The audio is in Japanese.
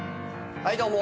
はいどうも。